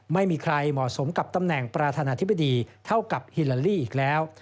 ไม่มีใครเหมาะสมกับตำแหน่งประธานาธิบดีเท่ากับฮิลาลี่อีกแล้ว